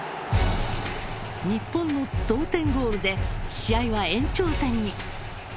日本の同点ゴールで試合は延長戦に。